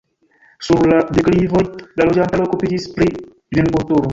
Sur la deklivoj la loĝantaro okupiĝis pri vinkulturo.